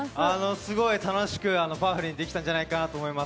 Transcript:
すごい楽しくパワフルにできたんじゃないかなと思います。